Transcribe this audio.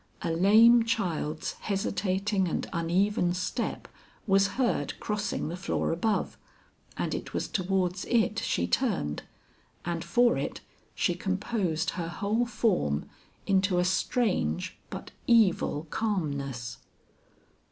A lame child's hesitating and uneven step was heard crossing the floor above, and it was towards it she turned, and for it she composed her whole form into a strange but evil calmness.